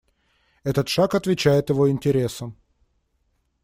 Этот шаг отвечает его интересам.